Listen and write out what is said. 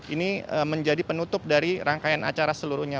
ini menjadi penutup dari rangkaian acara seluruhnya